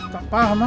kenapa tuh kocok